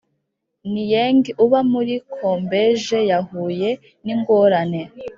Nieng uba muri Kamboje yahuye n ingorane